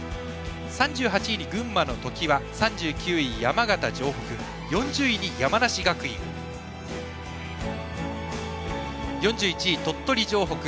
３８位に群馬の常磐３９位、山形城北４０位、山梨学院４１位、鳥取城北